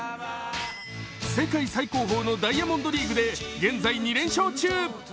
世界最高峰のダイヤモンドリーグで現在２連勝中。